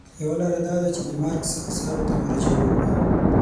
یوه لاره دا ده چې د مارکس اثارو ته مراجعه وکړو.